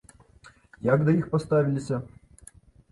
Як да іх паставіліся?